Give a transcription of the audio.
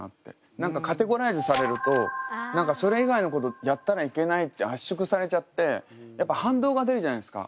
何かカテゴライズされるとそれ以外のことやったらいけないって圧縮されちゃってやっぱ反動が出るじゃないですか。